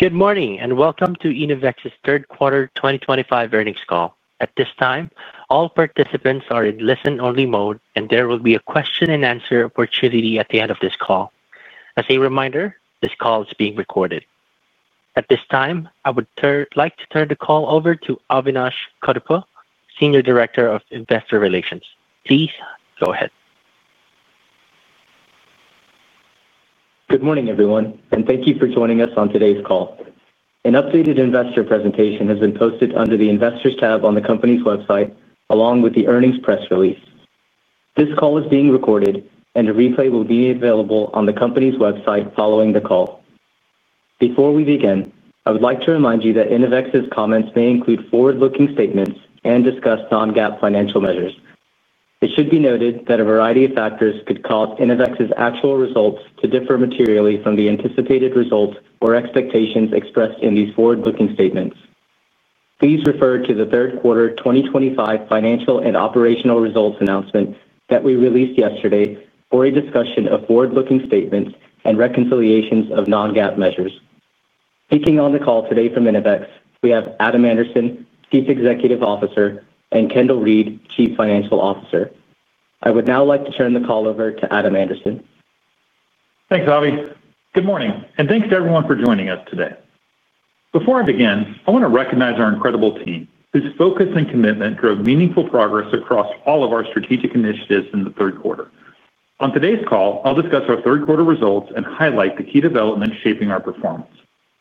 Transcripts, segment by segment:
Good morning and welcome to Innovex's Third Quarter 2025 Earnings call. At this time, all participants are in listen-only mode, and there will be a question-and-answer opportunity at the end of this call. As a reminder, this call is being recorded. At this time, I would like to turn the call over to Avinash Cuddapah, Senior Director of Investor Relations. Please go ahead. Good morning, everyone, and thank you for joining us on today's call. An updated investor presentation has been posted under the Investors tab on the company's website, along with the earnings press release. This call is being recorded, and a replay will be available on the company's website following the call. Before we begin, I would like to remind you that Innovex's comments may include forward-looking statements and discuss non-GAAP financial measures. It should be noted that a variety of factors could cause Innovex's actual results to differ materially from the anticipated results or expectations expressed in these forward-looking statements. Please refer to the third quarter 2025 financial and operational results announcement that we released yesterday for a discussion of forward-looking statements and reconciliations of non-GAAP measures. Speaking on the call today from Innovex, we have Adam Anderson, Chief Executive Officer, and Kendal Reed, Chief Financial Officer. I would now like to turn the call over to Adam Anderson. Thanks, Avi. Good morning, and thanks to everyone for joining us today. Before I begin, I want to recognize our incredible team, whose focus and commitment drove meaningful progress across all of our strategic initiatives in the third quarter. On today's call, I'll discuss our third quarter results and highlight the key developments shaping our performance,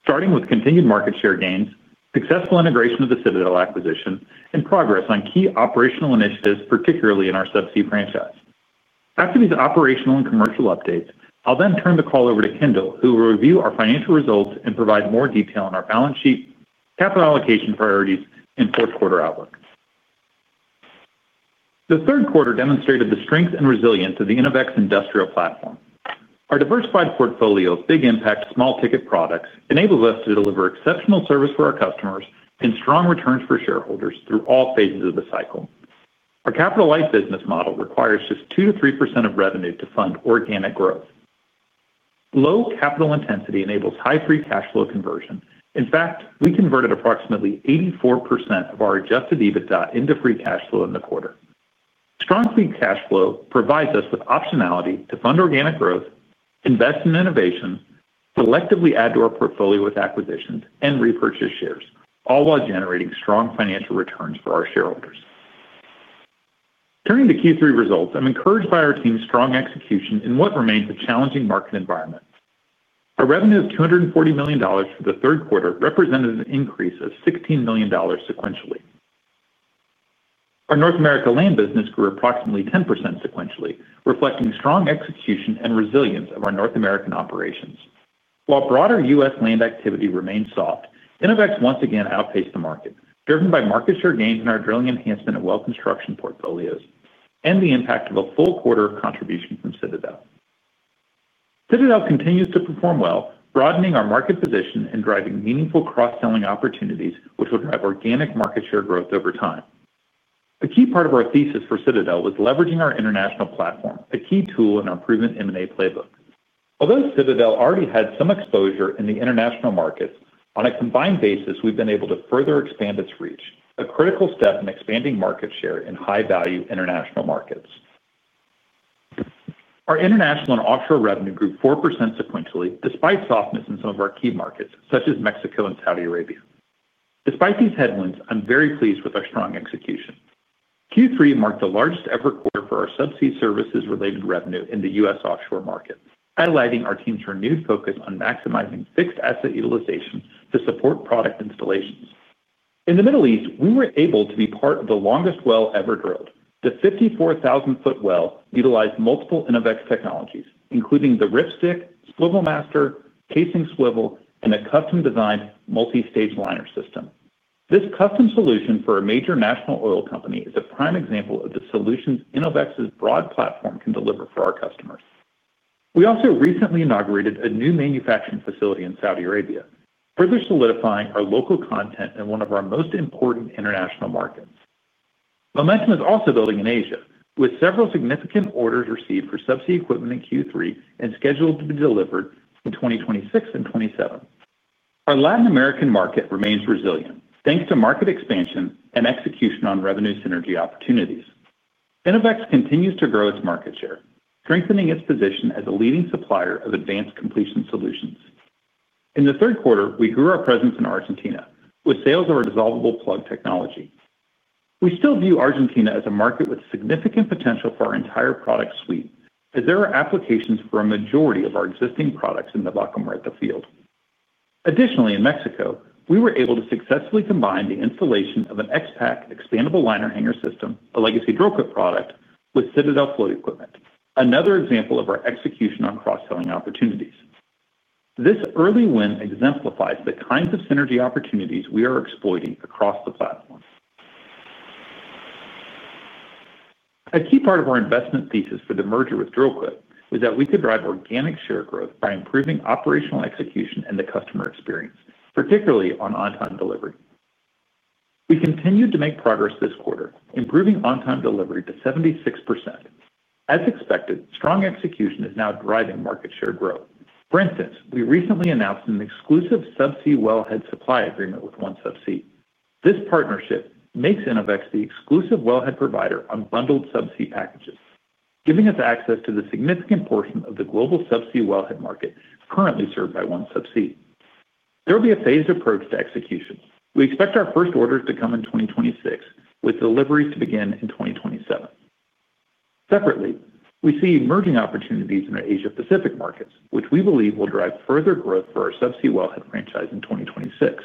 starting with continued market share gains, successful integration of the Citadel acquisition, and progress on key operational initiatives, particularly in our subsea franchise. After these operational and commercial updates, I'll then turn the call over to Kendal, who will review our financial results and provide more detail on our balance sheet, capital allocation priorities, and fourth quarter outlook. The third quarter demonstrated the strength and resilience of the Innovex industrial platform. Our diversified portfolio of big impact small ticket products enables us to deliver exceptional service for our customers and strong returns for shareholders through all phases of the cycle. Our capital-light business model requires just 2%-3% of revenue to fund organic growth. Low capital intensity enables high free cash flow conversion. In fact, we converted approximately 84% of our adjusted EBITDA into free cash flow in the quarter. Strong free cash flow provides us with optionality to fund organic growth, invest in innovation, selectively add to our portfolio with acquisitions, and repurchase shares, all while generating strong financial returns for our shareholders. Turning to Q3 results, I'm encouraged by our team's strong execution in what remains a challenging market environment. Our revenue of $240 million for the third quarter represented an increase of $16 million sequentially. Our North America land business grew approximately 10% sequentially, reflecting strong execution and resilience of our North American operations. While broader U.S. land activity remained soft, Innovex once again outpaced the market, driven by market share gains in our drilling enhancement and well construction portfolios, and the impact of a full quarter contribution from Citadel. Citadel continues to perform well, broadening our market position and driving meaningful cross-selling opportunities, which will drive organic market share growth over time. A key part of our thesis for Citadel was leveraging our international platform, a key tool in our proven M&A playbook. Although Citadel already had some exposure in the international markets, on a combined basis, we've been able to further expand its reach, a critical step in expanding market share in high-value international markets. Our International & Offshore revenue grew 4% sequentially, despite softness in some of our key markets, such as Mexico and Saudi Arabia. Despite these headwinds, I'm very pleased with our strong execution. Q3 marked the largest-ever quarter for our subsea services-related revenue in the U.S. offshore market, highlighting our team's renewed focus on maximizing fixed asset utilization to support product installations. In the Middle East, we were able to be part of the longest well ever drilled. The 54,000 ft well utilized multiple Innovex technologies, including the RIPstick, SwivelMASTER, CasingSWIVEL, and a custom-designed Multi-Stage Liner System. This custom solution for a major national oil company is a prime example of the solutions Innovex's broad platform can deliver for our customers. We also recently inaugurated a new manufacturing facility in Saudi Arabia, further solidifying our local content in one of our most important international markets. Momentum is also building in Asia, with several significant orders received for subsea equipment in Q3 and scheduled to be delivered in 2026 and 2027. Our Latin American market remains resilient, thanks to market expansion and execution on revenue synergy opportunities. Innovex continues to grow its market share, strengthening its position as a leading supplier of advanced completion solutions. In the third quarter, we grew our presence in Argentina, with sales of our dissolvable plug technology. We still view Argentina as a market with significant potential for our entire product suite, as there are applications for a majority of our existing products in the Vaca Muerta field. Additionally, in Mexico, we were able to successfully combine the installation of an XPak Expandable Liner Hanger System, a legacy Dril-Quip product, with Citadel float equipment, another example of our execution on cross-selling opportunities. This early win exemplifies the kinds of synergy opportunities we are exploiting across the platform. A key part of our investment thesis for the merger with Dril-Quip is that we could drive organic share growth by improving operational execution and the customer experience, particularly on on-time delivery. We continued to make progress this quarter, improving on-time delivery to 76%. As expected, strong execution is now driving market share growth. For instance, we recently announced an exclusive subsea wellhead supply agreement with OneSubsea. This partnership makes Innovex the exclusive wellhead provider on bundled subsea packages, giving us access to the significant portion of the global subsea wellhead market currently served by OneSubsea. There will be a phased approach to execution. We expect our first orders to come in 2026, with deliveries to begin in 2027. Separately, we see emerging opportunities in our Asia-Pacific markets, which we believe will drive further growth for our subsea wellhead franchise in 2026.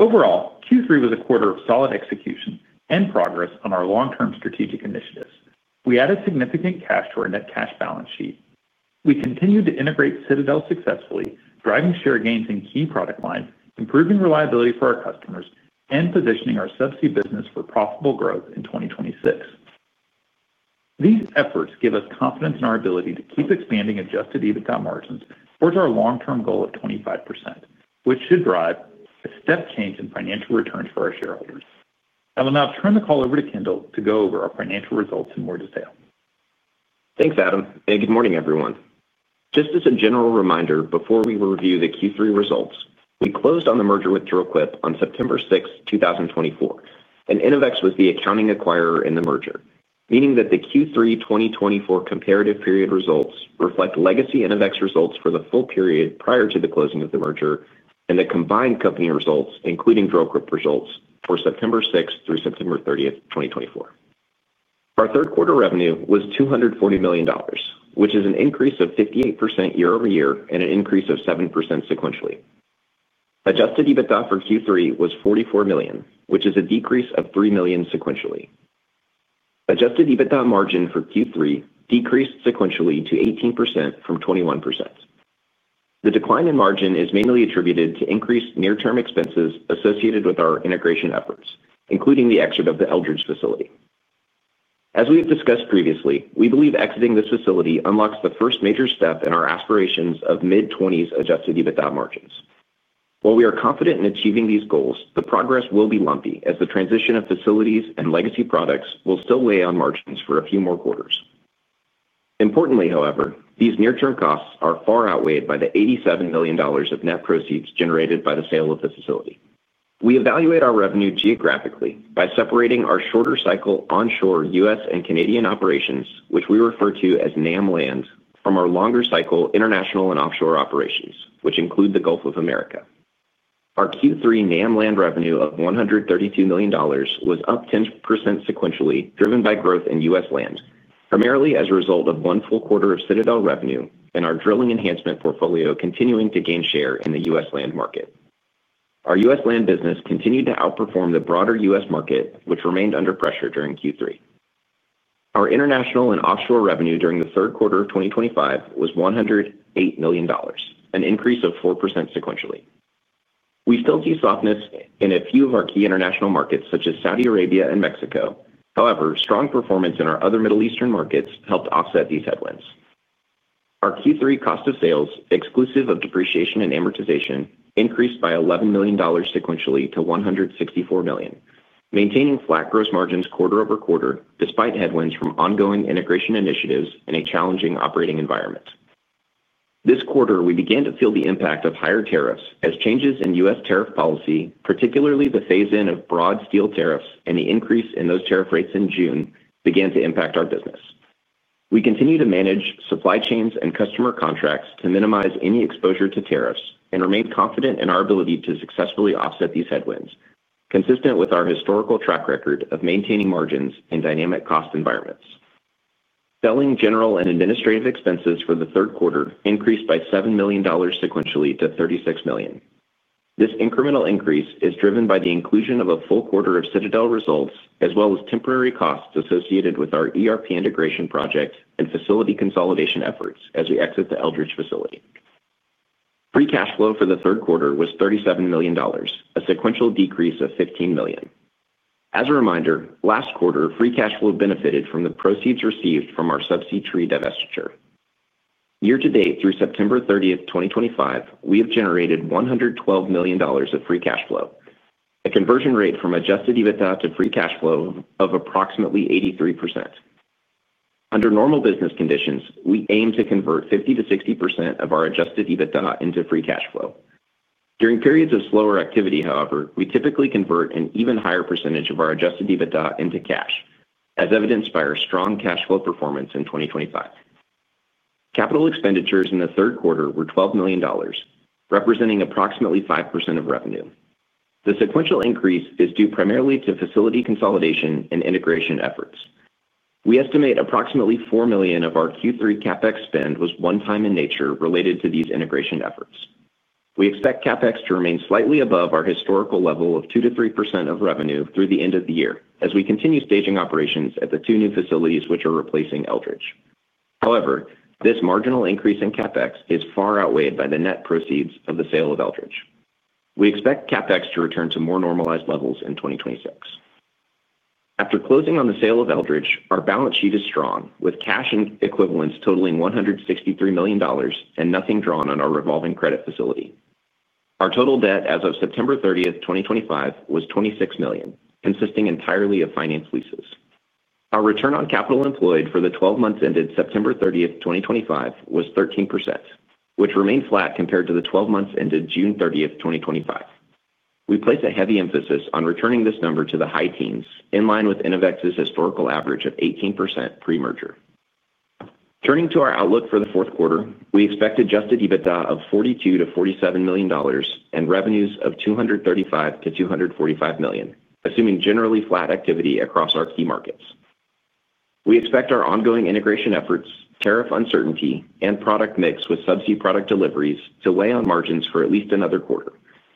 Overall, Q3 was a quarter of solid execution and progress on our long-term strategic initiatives. We added significant cash to our net cash balance sheet. We continued to integrate Citadel successfully, driving share gains in key product lines, improving reliability for our customers, and positioning our subsea business for profitable growth in 2026. These efforts give us confidence in our ability to keep expanding adjusted EBITDA margins towards our long-term goal of 25%, which should drive a step change in financial returns for our shareholders. I will now turn the call over to Kendal to go over our financial results in more detail. Thanks, Adam. And good morning, everyone. Just as a general reminder, before we review the Q3 results, we closed on the merger with Dril-Quip on September 6, 2024, and Innovex was the accounting acquirer in the merger, meaning that the Q3 2024 comparative period results reflect Legacy Innovex results for the full period prior to the closing of the merger and the combined company results, including Dril-Quip results, for September 6 through September 30th, 2024. Our third quarter revenue was $240 million, which is an increase of 58% year-over-year and an increase of 7% sequentially. Adjusted EBITDA for Q3 was $44 million, which is a decrease of $3 million sequentially. Adjusted EBITDA margin for Q3 decreased sequentially to 18% from 21%. The decline in margin is mainly attributed to increased near-term expenses associated with our integration efforts, including the exit of the Eldridge facility. As we have discussed previously, we believe exiting this facility unlocks the first major step in our aspirations of mid-20s adjusted EBITDA margins. While we are confident in achieving these goals, the progress will be lumpy as the transition of facilities and legacy products will still weigh on margins for a few more quarters. Importantly, however, these near-term costs are far outweighed by the $87 million of net proceeds generated by the sale of the facility. We evaluate our revenue geographically by separating our shorter cycle onshore U.S. and Canadian operations, which we refer to as NAM Land, from our longer cycle International & Offshore operations, which include the Gulf of Mexico. Our Q3 NAM Land revenue of $132 million was up 10% sequentially, driven by growth in U.S. land, primarily as a result of one full quarter of Citadel revenue and our drilling enhancement portfolio continuing to gain share in the U.S. land market. Our U.S. land business continued to outperform the broader U.S. market, which remained under pressure during Q3. Our International & Offshore revenue during the third quarter of 2024 was $108 million, an increase of 4% sequentially. We still see softness in a few of our key international markets, such as Saudi Arabia and Mexico. However, strong performance in our other Middle Eastern markets helped offset these headwinds. Our Q3 cost of sales, exclusive of depreciation and amortization, increased by $11 million sequentially to $164 million, maintaining flat gross margins quarter-over-quarter, despite headwinds from ongoing integration initiatives and a challenging operating environment. This quarter, we began to feel the impact of higher tariffs, as changes in U.S. tariff policy, particularly the phase-in of broad steel tariffs and the increase in those tariff rates in June, began to impact our business. We continue to manage supply chains and customer contracts to minimize any exposure to tariffs and remain confident in our ability to successfully offset these headwinds, consistent with our historical track record of maintaining margins in dynamic cost environments. Selling, general, and administrative expenses for the third quarter increased by $7 million sequentially to $36 million. This incremental increase is driven by the inclusion of a full quarter of Citadel results, as well as temporary costs associated with our ERP Integration Project and facility consolidation efforts as we exit the Eldridge facility. Free cash flow for the third quarter was $37 million, a sequential decrease of $15 million. As a reminder, last quarter, free cash flow benefited from the proceeds received from our subsea tree divestiture. Year to date, through September 30th, 2025, we have generated $112 million of free cash flow, a conversion rate from adjusted EBITDA to free cash flow of approximately 83%. Under normal business conditions, we aim to convert 50%-60% of our adjusted EBITDA into free cash flow. During periods of slower activity, however, we typically convert an even higher percentage of our adjusted EBITDA into cash, as evidenced by our strong cash flow performance in 2025. Capital expenditures in the third quarter were $12 million, representing approximately 5% of revenue. The sequential increase is due primarily to facility consolidation and integration efforts. We estimate approximately $4 million of our Q3 CapEx spend was one-time in nature related to these integration efforts. We expect CapEx to remain slightly above our historical level of 2%-3% of revenue through the end of the year, as we continue staging operations at the two new facilities which are replacing Eldridge. However, this marginal increase in CapEx is far outweighed by the net proceeds of the sale of Eldridge. We expect CapEx to return to more normalized levels in 2026. After closing on the sale of Eldridge, our balance sheet is strong, with cash and equivalents totaling $163 million and nothing drawn on our revolving credit facility. Our total debt as of September 30th, 2025, was $26 million, consisting entirely of finance leases. Our return on capital employed for the 12 months ended September 30th, 2025, was 13%, which remained flat compared to the 12 months ended June 30th, 2025. We place a heavy emphasis on returning this number to the high teens, in line with Innovex's historical average of 18% pre-merger. Turning to our outlook for the fourth quarter, we expect adjusted EBITDA of $42 million-$47 million and revenues of $235 million-$245 million, assuming generally flat activity across our key markets. We expect our ongoing integration efforts, tariff uncertainty, and product mix with subsea product deliveries to weigh on margins for at least another quarter.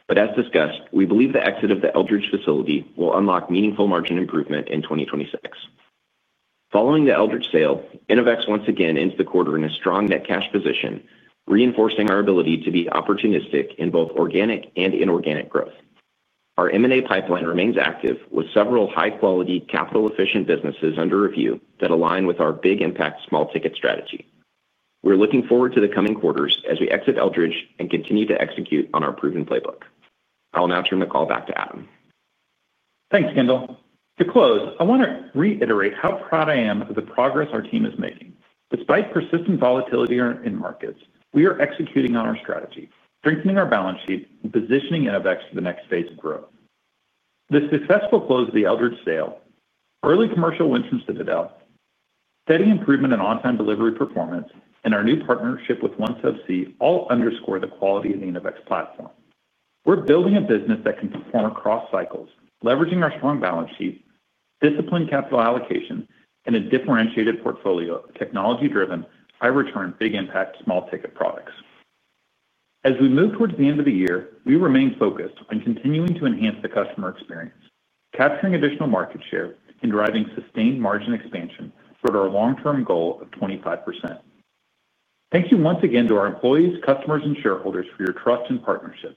But as discussed, we believe the exit of the Eldridge facility will unlock meaningful margin improvement in 2026. Following the Eldridge sale, Innovex once again entered the quarter in a strong net cash position, reinforcing our ability to be opportunistic in both organic and inorganic growth. Our M&A pipeline remains active, with several high-quality, capital-efficient businesses under review that align with our big impact small-ticket strategy. We're looking forward to the coming quarters as we exit Eldridge and continue to execute on our proven playbook. I'll now turn the call back to Adam. Thanks, Kendal. To close, I want to reiterate how proud I am of the progress our team is making. Despite persistent volatility in markets, we are executing on our strategy, strengthening our balance sheet, and positioning Innovex for the next phase of growth. The successful close of the Eldridge sale, early commercial wins from Citadel, steady improvement in on-time delivery performance, and our new partnership with OneSubsea all underscore the quality of the Innovex platform. We're building a business that can perform across cycles, leveraging our strong balance sheet, disciplined capital allocation, and a differentiated portfolio of technology-driven, high-return, big impact small-ticket products. As we move towards the end of the year, we remain focused on continuing to enhance the customer experience, capturing additional market share, and driving sustained margin expansion toward our long-term goal of 25%. Thank you once again to our employees, customers, and shareholders for your trust and partnership.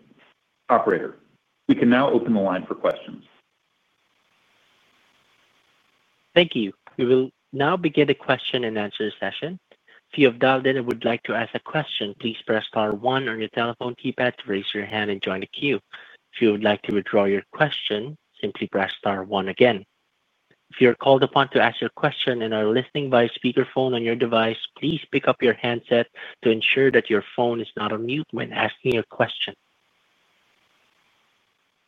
Operator, we can now open the line for questions. Thank you. We will now begin the question and answer session. If you have dialed in and would like to ask a question, please press star one on your telephone keypad to raise your hand and join the queue. If you would like to withdraw your question, simply press star one again. If you are called upon to ask your question and are listening via speakerphone on your device, please pick up your handset to ensure that your phone is not on mute when asking your question.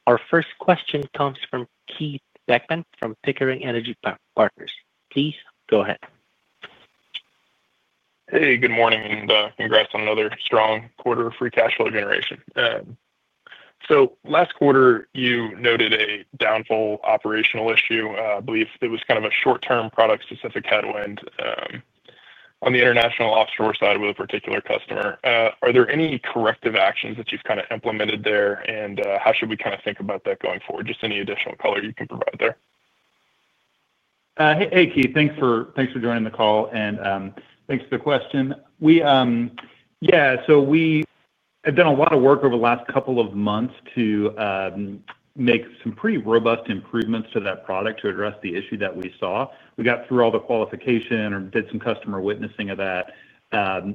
Our first question comes from Keith Beckmann from Pickering Energy Partners. Please go ahead. Hey, good morning and congrats on another strong quarter of free cash flow generation. So last quarter, you noted a downhole operational issue. I believe it was kind of a short-term product-specific headwind. On the international offshore side with a particular customer. Are there any corrective actions that you've kind of implemented there, and how should we kind of think about that going forward? Just any additional color you can provide there. Hey, Keith. Thanks for joining the call and thanks for the question. Yeah, so we have done a lot of work over the last couple of months to make some pretty robust improvements to that product to address the issue that we saw. We got through all the qualification and did some customer witnessing of that.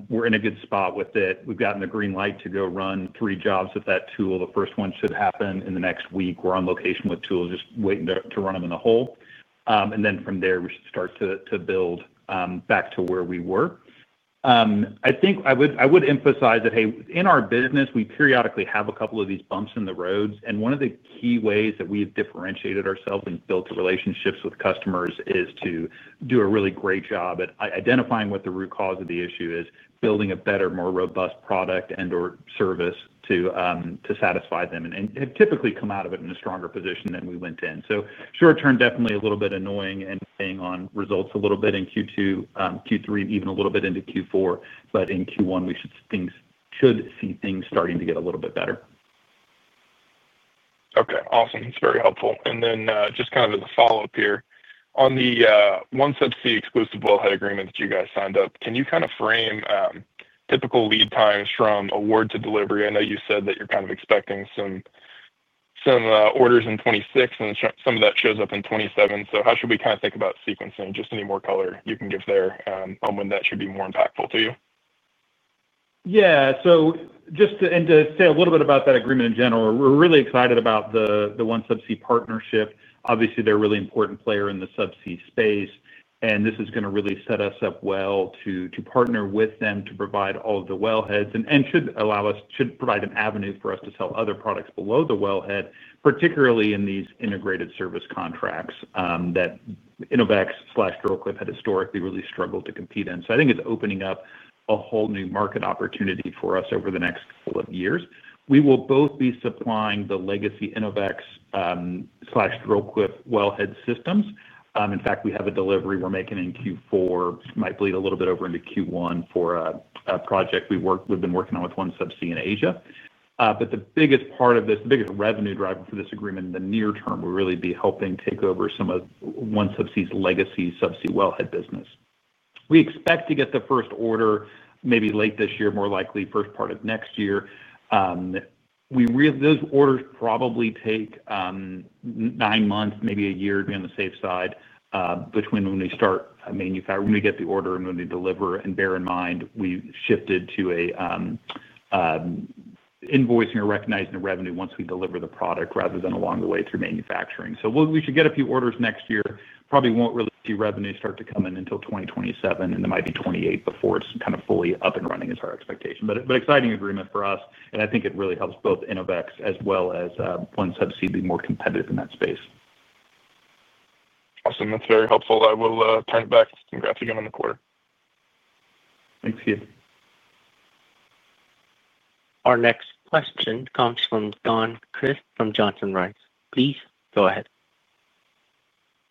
We're in a good spot with it. We've gotten the green light to go run three jobs with that tool. The first one should happen in the next week. We're on location with tools, just waiting to run them in the hole, and then from there, we should start to build back to where we were. I think I would emphasize that, hey, in our business, we periodically have a couple of these bumps in the roads. One of the key ways that we have differentiated ourselves and built relationships with customers is to do a really great job at identifying what the root cause of the issue is, building a better, more robust product and/or service to satisfy them, and have typically come out of it in a stronger position than we went in. Short-term, definitely a little bit annoying and weighing on results a little bit in Q2, Q3, even a little bit into Q4, but in Q1, we should see things starting to get a little bit better. Okay. Awesome. That's very helpful. And then just kind of as a follow-up here, on the OneSubsea Exclusive Wellhead Agreement that you guys signed up, can you kind of frame typical lead times from award to delivery? I know you said that you're kind of expecting some orders in 2026, and some of that shows up in 2027. So how should we kind of think about sequencing? Just any more color you can give there on when that should be more impactful to you? Yeah. And to say a little bit about that agreement in general, we're really excited about the OneSubsea partnership. Obviously, they're a really important player in the subsea space, and this is going to really set us up well to partner with them to provide all of the wellheads and should provide an avenue for us to sell other products below the wellhead, particularly in these integrated service contracts that Innovex plus Dril-Quip had historically really struggled to compete in. So I think it's opening up a whole new market opportunity for us over the next couple of years. We will both be supplying the Legacy Innovex Dril-Quip wellhead systems. In fact, we have a delivery we're making in Q4. It might bleed a little bit over into Q1 for a project we've been working on with OneSubsea in Asia. But the biggest part of this, the biggest revenue driver for this agreement in the near term, we'll really be helping take over some of OneSubsea's legacy subsea wellhead business. We expect to get the first order maybe late this year, more likely first part of next year. Those orders probably take nine months, maybe a year to be on the safe side between when we start manufacturing, when we get the order, and when we deliver. And bear in mind, we shifted to invoicing or recognizing the revenue once we deliver the product rather than along the way through manufacturing. So we should get a few orders next year. Probably won't really see revenue start to come in until 2027, and there might be 2028 before it's kind of fully up and running is our expectation. But an exciting agreement for us, and I think it really helps both Innovex as well as OneSubsea be more competitive in that space. Awesome. That's very helpful. I will turn it back. Congrats again on the quarter. Thanks, Keith. Our next question comes from Don Crist from Johnson Rice. Please go ahead.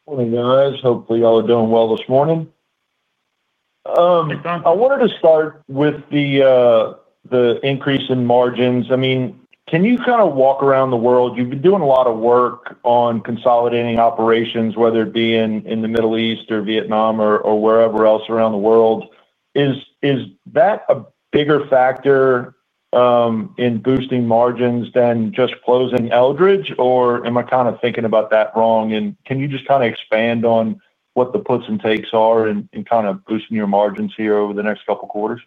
Morning, guys. Hopefully, y'all are doing well this morning. I wanted to start with the increase in margins. I mean, can you kind of walk around the world? You've been doing a lot of work on consolidating operations, whether it be in the Middle East or Vietnam or wherever else around the world. Is that a bigger factor in boosting margins than just closing Eldridge, or am I kind of thinking about that wrong, and can you just kind of expand on what the puts and takes are in kind of boosting your margins here over the next couple of quarters?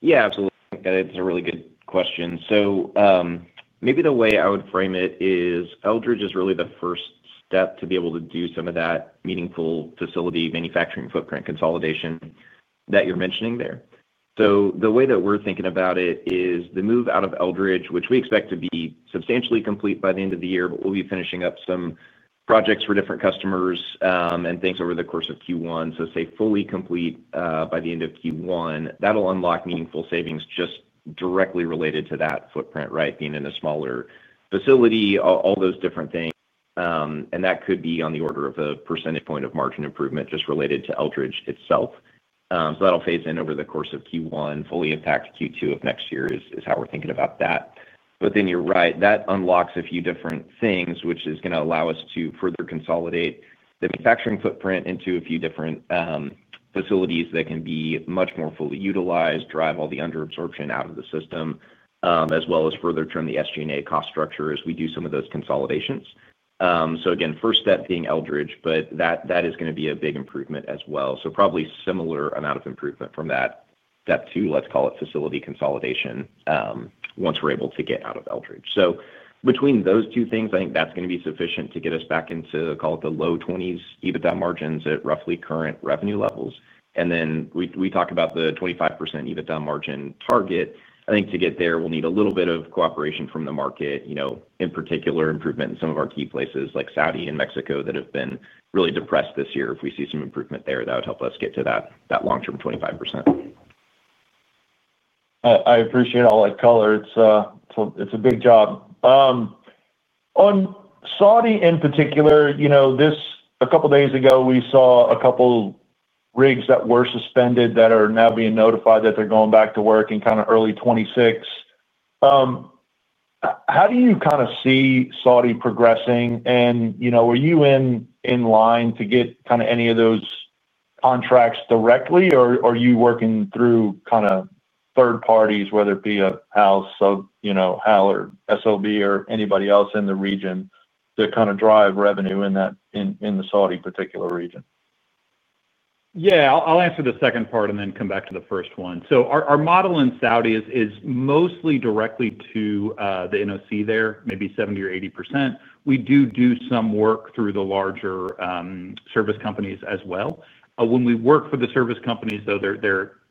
Yeah, absolutely. That is a really good question. So, maybe the way I would frame it is Eldridge is really the first step to be able to do some of that meaningful facility manufacturing footprint consolidation that you're mentioning there. So the way that we're thinking about it is the move out of Eldridge, which we expect to be substantially complete by the end of the year, but we'll be finishing up some projects for different customers and things over the course of Q1. So say fully complete by the end of Q1, that'll unlock meaningful savings just directly related to that footprint, right, being in a smaller facility, all those different things. And that could be on the order of a percentage point of margin improvement just related to Eldridge itself. So that'll phase in over the course of Q1. Full impact Q2 of next year is how we're thinking about that. But then you're right, that unlocks a few different things, which is going to allow us to further consolidate the manufacturing footprint into a few different facilities that can be much more fully utilized, drive all the underabsorption out of the system, as well as further turn the SG&A cost structure as we do some of those consolidations. So again, first step being Eldridge, but that is going to be a big improvement as well. So probably similar amount of improvement from that step two, let's call it facility consolidation once we're able to get out of Eldridge. So between those two things, I think that's going to be sufficient to get us back into, call it the low 20s EBITDA margins at roughly current revenue levels. And then we talk about the 25% EBITDA margin target. I think to get there, we'll need a little bit of cooperation from the market. In particular, improvement in some of our key places like Saudi and Mexico that have been really depressed this year. If we see some improvement there, that would help us get to that long-term 25%. I appreciate all that color. It's a big job. On Saudi in particular. A couple of days ago, we saw a couple rigs that were suspended that are now being notified that they're going back to work in kind of early 2026. How do you kind of see Saudi progressing? And were you in line to get kind of any of those contracts directly, or are you working through kind of third parties, whether it be [a house of, you know, HAL, or SLB], or anybody else in the region to kind of drive revenue in the Saudi particular region? Yeah, I'll answer the second part and then come back to the first one. So our model in Saudi is mostly directly to the NOC there, maybe 70% or 80%. We do do some work through the larger service companies as well. When we work for the service companies, though,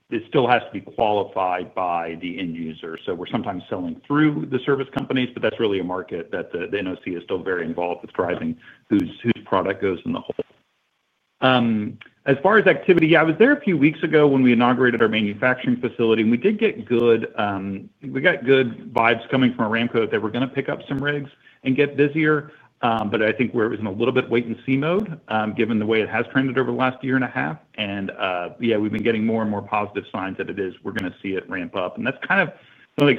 it still has to be qualified by the end user. So we're sometimes selling through the service companies, but that's really a market that the NOC is still very involved with driving whose product goes in the hole. As far as activity, yeah, I was there a few weeks ago when we inaugurated our manufacturing facility, and we got good vibes coming from Aramco that we're going to pick up some rigs and get busier. But I think we're in a little bit wait-and-see mode, given the way it has trended over the last year and a half. And yeah, we've been getting more and more positive signs that we're going to see it ramp up. And that's kind of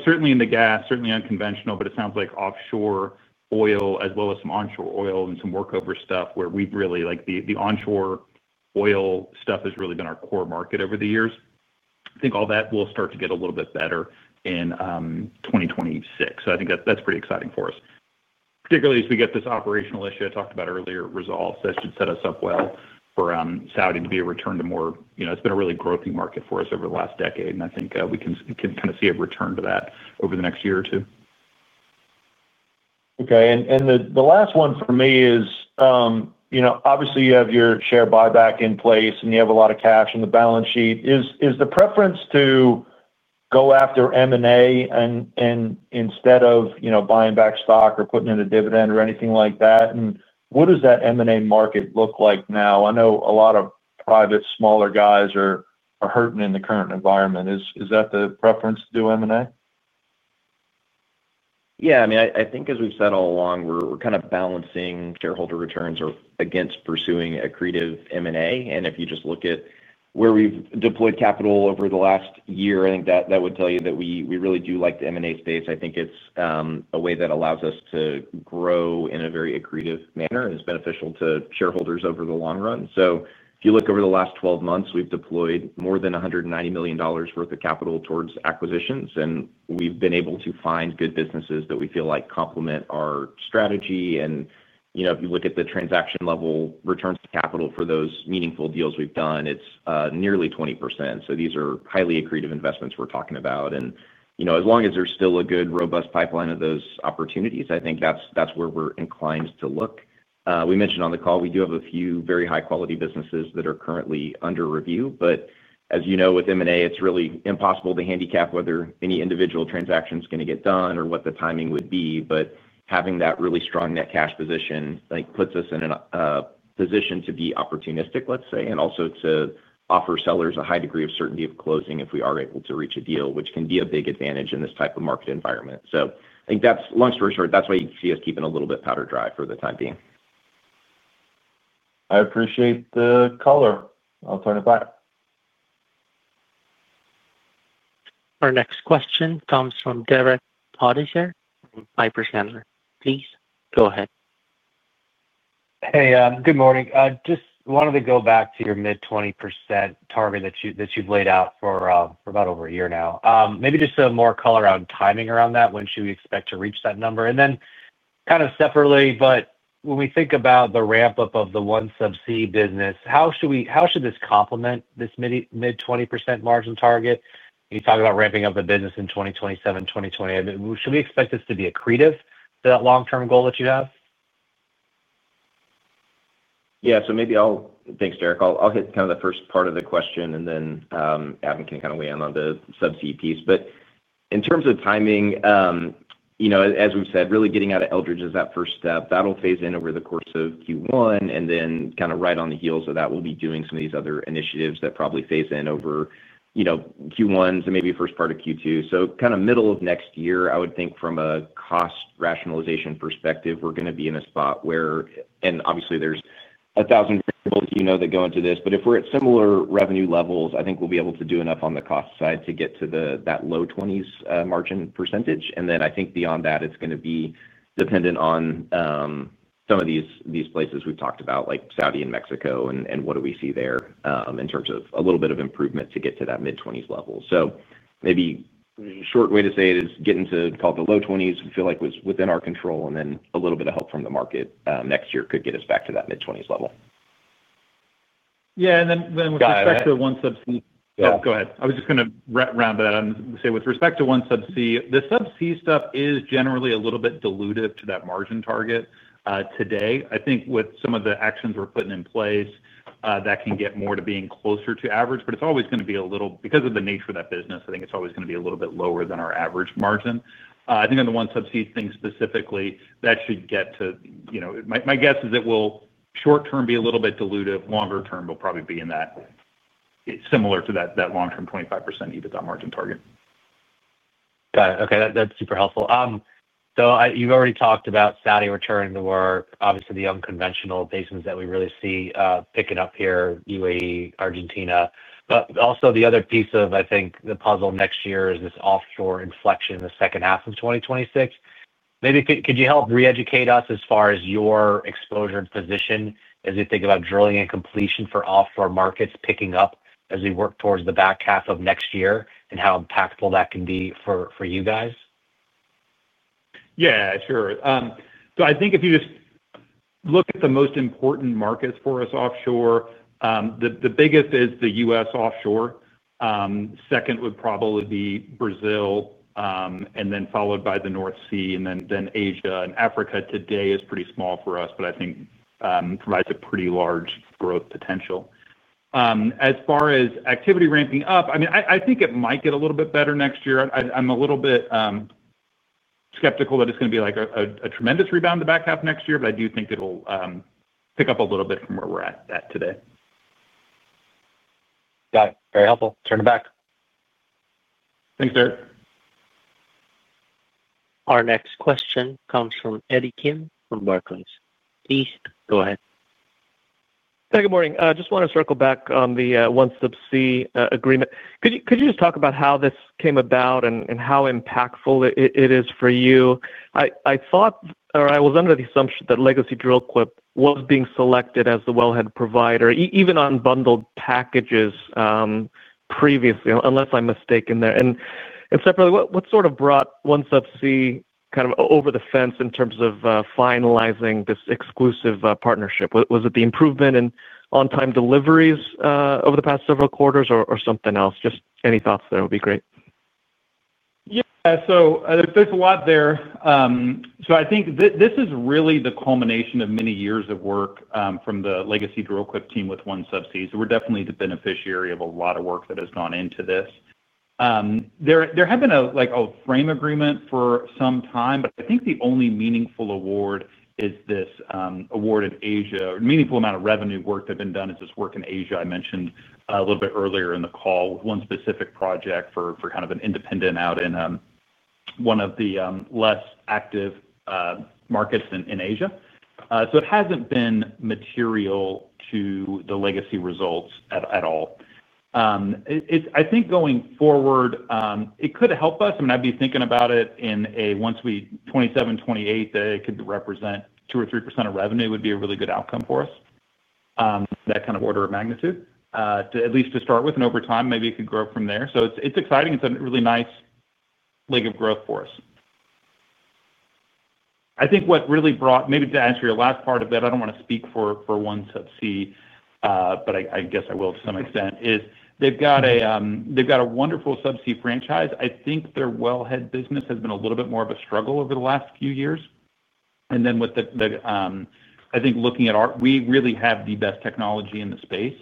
certainly in the gas, certainly unconventional, but it sounds like offshore oil as well as some onshore oil and some workover stuff where we've really like the onshore oil stuff has really been our core market over the years. I think all that will start to get a little bit better in 2026. So I think that's pretty exciting for us, particularly as we get this operational issue I talked about earlier resolved. That should set us up well for Saudi to be a return to more. It's been a really growth market for us over the last decade, and I think we can kind of see a return to that over the next year or two. Okay. And the last one for me is, obviously, you have your share buyback in place, and you have a lot of cash on the balance sheet. Is the preference to go after M&A instead of buying back stock or putting in a dividend or anything like that? And what does that M&A market look like now? I know a lot of private smaller guys are hurting in the current environment. Is that the preference to do M&A? Yeah. I mean, I think as we've said all along, we're kind of balancing shareholder returns against pursuing a creative M&A, and if you just look at where we've deployed capital over the last year, I think that would tell you that we really do like the M&A space. I think it's a way that allows us to grow in a very accretive manner and is beneficial to shareholders over the long run, so if you look over the last 12 months, we've deployed more than $190 million worth of capital towards acquisitions, and we've been able to find good businesses that we feel like complement our strategy. And if you look at the transaction level returns to capital for those meaningful deals we've done, it's nearly 20%, so these are highly accretive investments we're talking about. And as long as there's still a good robust pipeline of those opportunities, I think that's where we're inclined to look. We mentioned on the call, we do have a few very high-quality businesses that are currently under review, but as you know, with M&A, it's really impossible to handicap whether any individual transaction is going to get done or what the timing would be, but having that really strong net cash position puts us in a position to be opportunistic, let's say, and also to offer sellers a high degree of certainty of closing if we are able to reach a deal, which can be a big advantage in this type of market environment, so I think that's long story short, that's why you can see us keeping a little bit powder dry for the time being. I appreciate the color. I'll turn it back. Our next question comes from Derek Podhaizer from Piper Sandler. Please go ahead. Hey, good morning. Just wanted to go back to your mid-20% target that you've laid out for about over a year now. Maybe just some more color on timing around that. When should we expect to reach that number? And then kind of separately, but when we think about the ramp-up of the OneSubsea business, how should this complement this mid-20% margin target? You talk about ramping up the business in 2027, 2028. Should we expect this to be accretive to that long-term goal that you have? Yeah. So maybe I'll—thanks, Derek. I'll hit kind of the first part of the question, and then Adam can kind of weigh in on the subsea piece. But in terms of timing, as we've said, really getting out of Eldridge is that first step. That'll phase in over the course of Q1, and then kind of right on the heels of that, we'll be doing some of these other initiatives that probably phase in over Q1s and maybe first part of Q2. So kind of middle of next year, I would think from a cost rationalization perspective, we're going to be in a spot where—and obviously, there's a thousand variables that go into this—but if we're at similar revenue levels, I think we'll be able to do enough on the cost side to get to that low-20s margin percentage. And then I think beyond that, it's going to be dependent on some of these places we've talked about, like Saudi and Mexico, and what do we see there in terms of a little bit of improvement to get to that mid-20s level. So maybe a short way to say it is getting to, call it, the low-20s. We feel like it was within our control, and then a little bit of help from the market next year could get us back to that mid-20s level. Yeah. And then with respect to OneSubsea. Go ahead. I was just going to round that out and say with respect to OneSubsea, the subsea stuff is generally a little bit diluted to that margin target today. I think with some of the actions we're putting in place, that can get more to being closer to average, but it's always going to be a little, because of the nature of that business, I think it's always going to be a little bit lower than our average margin. I think on the OneSubsea thing specifically, that should get to, my guess is it will short-term be a little bit diluted. Longer-term, it'll probably be in that. Similar to that long-term 25% EBITDA margin target. Got it. Okay. That's super helpful. So you've already talked about Saudi return to work, obviously the unconventional basins that we really see picking up here, U.A.E., Argentina. But also the other piece of, I think, the puzzle next year is this offshore inflection in the second half of 2026. Maybe could you help re-educate us as far as your exposure and position as you think about drilling and completion for offshore markets picking up as we work towards the back half of next year and how impactful that can be for you guys? Yeah, sure. So I think if you just look at the most important markets for us offshore. The biggest is the U.S. offshore. Second would probably be Brazil. And then followed by the North Sea and then Asia. And Africa today is pretty small for us, but I think it provides a pretty large growth potential. As far as activity ramping up, I mean, I think it might get a little bit better next year. I'm a little bit skeptical that it's going to be like a tremendous rebound in the back half next year, but I do think it'll pick up a little bit from where we're at today. Got it. Very helpful. Turn it back. Thanks, Derek. Our next question comes from Eddie Kim from Barclays. Please go ahead. Hey, good morning. I just want to circle back on the OneSubsea agreement. Could you just talk about how this came about and how impactful it is for you? I thought, or I was under the assumption that Legacy Dril-Quip was being selected as the wellhead provider, even on bundled packages. Previously, unless I'm mistaken there. And separately, what sort of brought OneSubsea kind of over the fence in terms of finalizing this exclusive partnership? Was it the improvement in on-time deliveries over the past several quarters or something else? Just any thoughts there would be great. Yeah. So there's a lot there. So I think this is really the culmination of many years of work from the legacy Dril-Quip team with OneSubsea. So we're definitely the beneficiary of a lot of work that has gone into this. There had been a frame agreement for some time, but I think the only meaningful award is this award in Asia. A meaningful amount of revenue work that's been done is this work in Asia I mentioned a little bit earlier in the call with one specific project for kind of an independent out in one of the less active markets in Asia. So it hasn't been material to the legacy results at all. I think going forward, it could help us. I mean, I'd be thinking about it in 2027, 2028 that it could represent 2% or 3% of revenue would be a really good outcome for us. That kind of order of magnitude, at least to start with. And over time, maybe it could grow from there. So it's exciting. It's a really nice leg of growth for us. I think what really brought it, maybe to answer your last part of that, I don't want to speak for OneSubsea, but I guess I will to some extent, is they've got a wonderful subsea franchise. I think their wellhead business has been a little bit more of a struggle over the last few years. And then with the, I think looking at our, we really have the best technology in the space.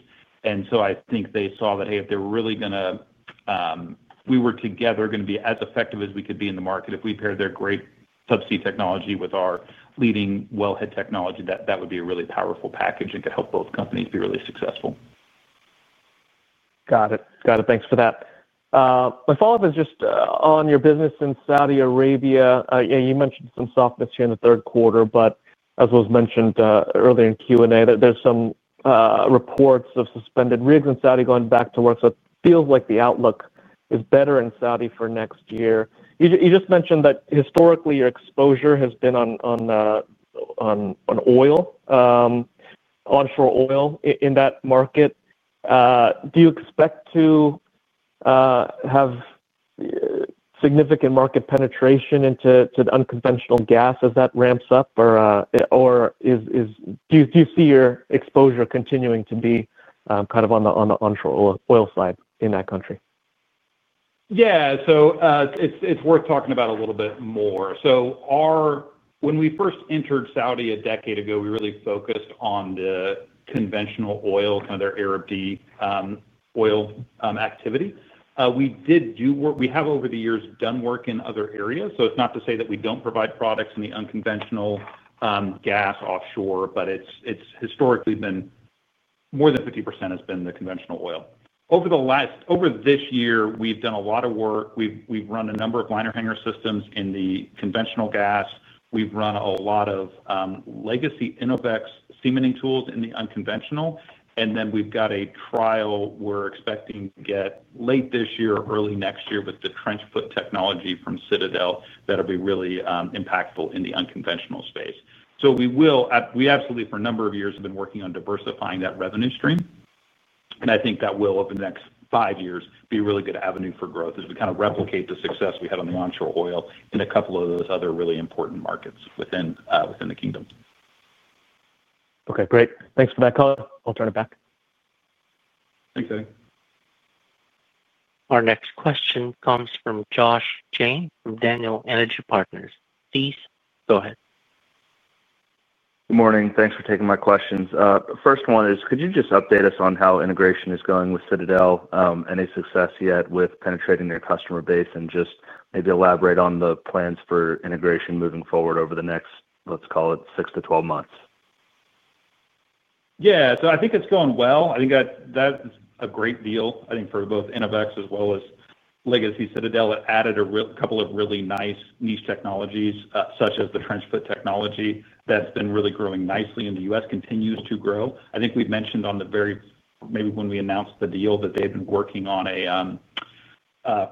And so I think they saw that, hey, if they're really going to, we were together going to be as effective as we could be in the market. If we paired their great subsea technology with our leading wellhead technology, that would be a really powerful package and could help both companies be really successful. Got it. Got it. Thanks for that. My follow-up is just on your business in Saudi Arabia. You mentioned some softness here in the third quarter, but as was mentioned earlier in Q&A, there's some reports of suspended rigs in Saudi going back to work. So it feels like the outlook is better in Saudi for next year. You just mentioned that historically your exposure has been on. Oil. Onshore oil in that market. Do you expect to. Have. Significant market penetration into unconventional gas as that ramps up, or. Do you see your exposure continuing to be kind of on the onshore oil side in that country? Yeah. So. It's worth talking about a little bit more. So when we first entered Saudi a decade ago, we really focused on the conventional oil, kind of their Arab oil activity. We did do work. We have, over the years, done work in other areas. So it's not to say that we don't provide products in the unconventional gas offshore, but it's historically been more than 50% has been the conventional oil. Over this year, we've done a lot of work. We've run a number of liner hanger systems in the conventional gas. We've run a lot of Legacy Innovex cementing tools in the unconventional. And then we've got a trial we're expecting to get late this year, early next year with the TrenchFoot technology from Citadel that will be really impactful in the unconventional space. So we absolutely, for a number of years, have been working on diversifying that revenue stream. And I think that will, over the next five years, be a really good avenue for growth as we kind of replicate the success we have on the onshore oil in a couple of those other really important markets within the kingdom. Okay. Great. Thanks for that color. I'll turn it back. Thanks, Eddie. Our next question comes from Josh Jayne from Daniel Energy Partners. Please go ahead. Good morning. Thanks for taking my questions. The first one is, could you just update us on how integration is going with Citadel and its success yet with penetrating their customer base and just maybe elaborate on the plans for integration moving forward over the next, let's call it, six to 12 months? Yeah. So I think it's going well. I think that is a great deal, I think, for both Innovex as well as Legacy Citadel. It added a couple of really nice niche technologies, such as the TrenchFoot technology that's been really growing nicely in the U.S., continues to grow. I think we've mentioned on the very, maybe when we announced the deal, that they've been working on a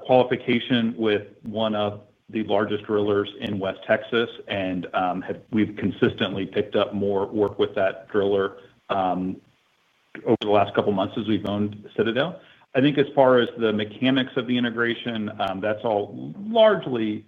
qualification with one of the largest drillers in West Texas, and we've consistently picked up more work with that driller. Over the last couple of months as we've owned Citadel. I think as far as the mechanics of the integration, that's all largely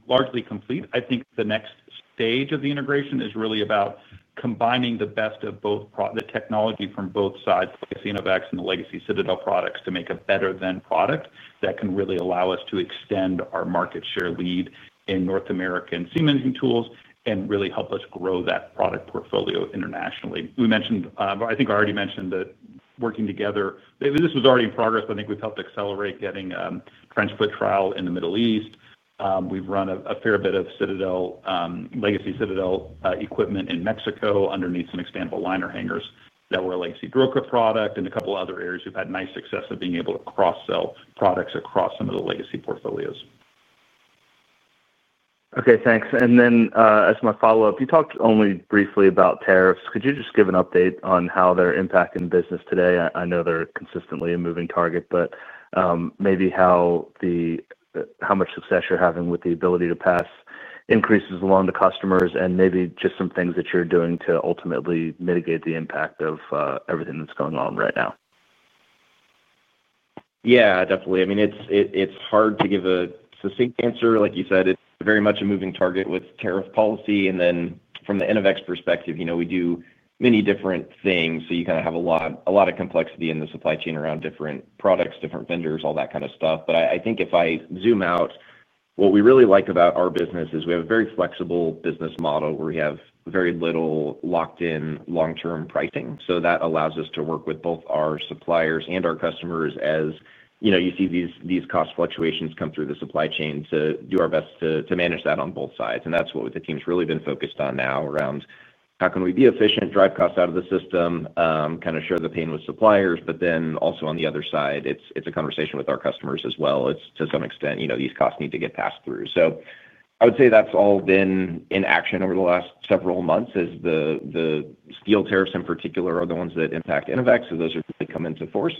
complete. I think the next stage of the integration is really about combining the best of both the technology from both sides, like the Innovex and the Legacy Citadel products, to make a better-than product that can really allow us to extend our market share lead in North American seamless tools and really help us grow that product portfolio internationally. I think I already mentioned that working together, this was already in progress, but I think we've helped accelerate getting TrenchFoot trial in the Middle East. We've run a fair bit of Legacy Citadel equipment in Mexico underneath some expandable liner hangers that were a Legacy Dril-Quip product. In a couple of other areas, we've had nice success of being able to cross-sell products across some of the Legacy portfolios. Okay. Thanks, and then as my follow-up, you talked only briefly about tariffs. Could you just give an update on how they're impacting business today? I know they're consistently a moving target, but maybe how much success you're having with the ability to pass increases among the customers and maybe just some things that you're doing to ultimately mitigate the impact of everything that's going on right now. Yeah, definitely. I mean, it's hard to give a succinct answer. Like you said, it's very much a moving target with tariff policy. And then from the Innovex perspective, we do many different things. So you kind of have a lot of complexity in the supply chain around different products, different vendors, all that kind of stuff. But I think if I zoom out, what we really like about our business is we have a very flexible business model where we have very little locked-in long-term pricing. So that allows us to work with both our suppliers and our customers as you see these cost fluctuations come through the supply chain to do our best to manage that on both sides. And that's what the team's really been focused on now around how can we be efficient, drive costs out of the system, kind of share the pain with suppliers, but then also on the other side, it's a conversation with our customers as well. It's to some extent, these costs need to get passed through. So I would say that's all been in action over the last several months as the steel tariffs in particular are the ones that impact Innovex. So those are really come into force.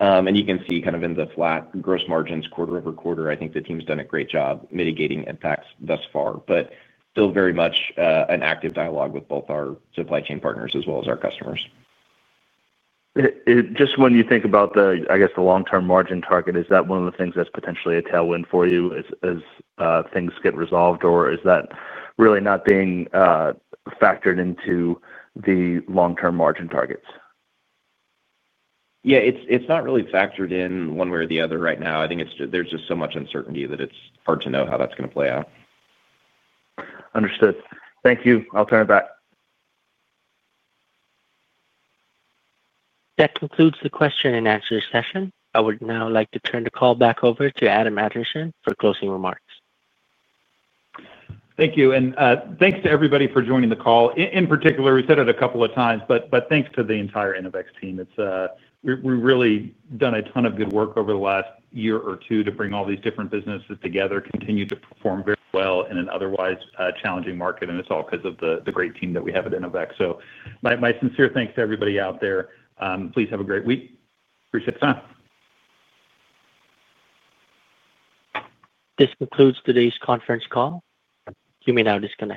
And you can see kind of in the flat gross margins, quarter-over-quarter, I think the team's done a great job mitigating impacts thus far, but still very much an active dialogue with both our supply chain partners as well as our customers. Just when you think about the, I guess, the long-term margin target, is that one of the things that's potentially a tailwind for you as things get resolved, or is that really not being factored into the long-term margin targets? Yeah. It's not really factored in one way or the other right now. I think there's just so much uncertainty that it's hard to know how that's going to play out. Understood. Thank you. I'll turn it back. That concludes the question and answer session. I would now like to turn the call back over to Adam Anderson for closing remarks. Thank you. And thanks to everybody for joining the call. In particular, we said it a couple of times, but thanks to the entire Innovex team. We've really done a ton of good work over the last year or two to bring all these different businesses together, continue to perform very well in an otherwise challenging market. And it's all because of the great team that we have at Innovex. So my sincere thanks to everybody out there. Please have a great week. Appreciate the time. This concludes today's conference call. You may now disconnect.